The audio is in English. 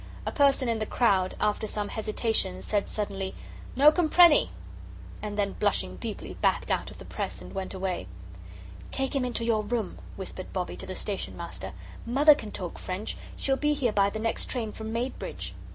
A person in the crowd, after some hesitation, said suddenly, "No comprenny!" and then, blushing deeply, backed out of the press and went away. "Take him into your room," whispered Bobbie to the Station Master. "Mother can talk French. She'll be here by the next train from Maidbridge."